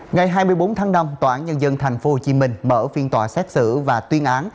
ngày hai mươi bốn tháng năm tòa án nhân dân tp hcm mở phiên tòa xét xử và tuyên án